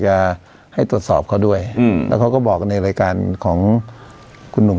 จะให้ตรวจสอบเขาด้วยอืมแล้วเขาก็บอกในรายการของคุณหนุ่ม